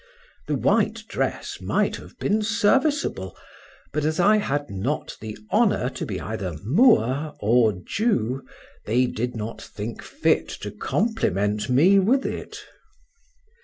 The white dress might have been serviceable, but as I had not the honor to be either Moor or Jew, they did not think fit to compliment me with it.